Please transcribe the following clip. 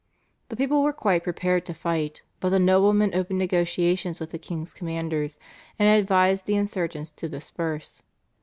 The people were quite prepared to fight, but the noblemen opened negotiations with the king's commanders, and advised the insurgents to disperse.